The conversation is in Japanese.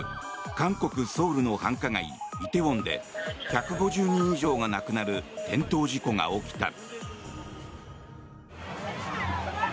韓国ソウルの繁華街、梨泰院で１５０人以上が亡くなる転倒事故が起きた。